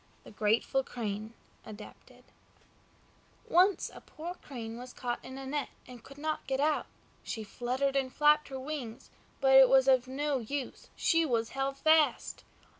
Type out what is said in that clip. THE GRATEFUL CRANE (Adapted) Once a poor Crane was caught in a net, and could not get out. She fluttered and flapped her wings, but it was of no use, she was held fast.